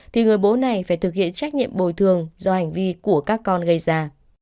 thì người bố này phải thực hiện trách nhiệm bồi thường do hành vi của các con gây ra